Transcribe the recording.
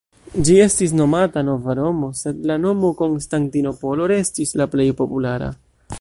Ĝi estis nomata "Nova Romo", sed la nomo Konstantinopolo restis la plej populara.